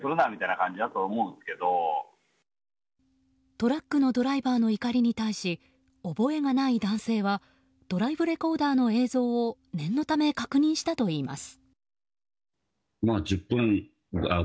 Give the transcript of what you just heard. トラックのドライバーの怒りに対し、覚えがない男性はドライブレコーダーの映像を念のため確認したといいます。